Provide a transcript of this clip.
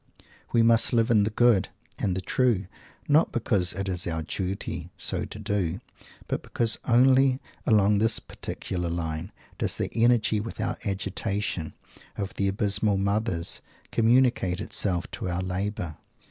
We must live in "the good" and "the true," not because it is our "duty" so to do, but because only along this particular line does the "energy without agitation" of the "abysmal mothers" communicate itself to our labour.